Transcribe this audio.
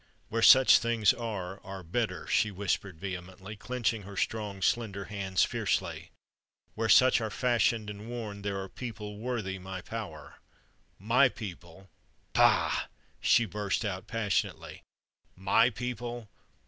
"Where such things are, are better!" she whispered vehemently, clenching her strong, slender hands fiercely. "Where such are fashioned and worn there are people worthy my power. My people! Pah!" she burst out passionately. "My people?